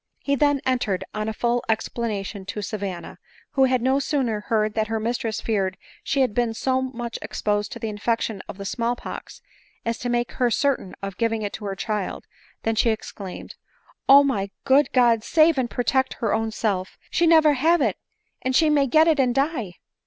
He then entered on a full ex planation to Savanna; who had no sooner heard that her mistress feared she had been so much exposed to the infection of the small pox, as to make her certain of giving it to her child, than she exclaimed, " Oh, my good God ! save and protect her own self ! she never have it, and she may get it and die